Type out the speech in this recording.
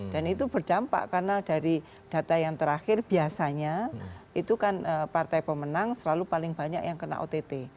dan itu berdampak karena dari data yang terakhir biasanya itu kan partai pemenang selalu paling banyak yang kena ott